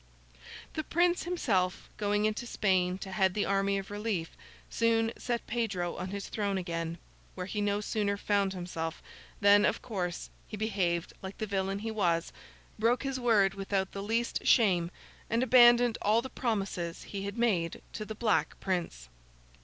The Prince, himself, going into Spain to head the army of relief, soon set Pedro on his throne again—where he no sooner found himself, than, of course, he behaved like the villain he was, broke his word without the least shame, and abandoned all the promises he had made to the Black Prince.